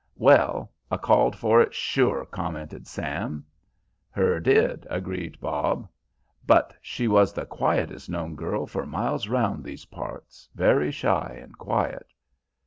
"Well, a' called for it sure," commented Sam. "Her did," agreed Bob, "but she was the quietest known girl for miles round those parts, very shy and quiet."